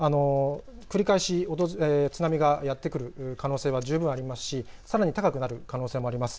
繰り返し津波がやって来る可能性は十分ありますしさらに高くなる可能性もあります。